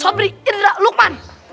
sopri indra lukman